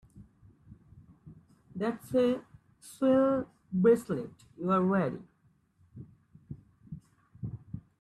That's a swell bracelet you're wearing.